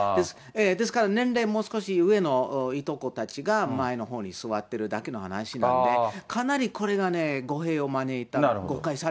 ですから年齢、もう少し上のいとこたちが前のほうに座ってるだけの話なので、かなりこれがね、年齢順。